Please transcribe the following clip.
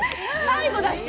最後だし。